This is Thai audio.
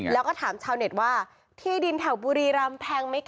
แล้วก็ถามชาวเน็ตว่าที่ดินแถวบุรีรำแพงไหมค